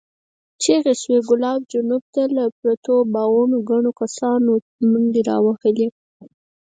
چيغې شوې، د کلا جنوب ته له پرتو باغونو ګڼو کسانو منډې را وهلې.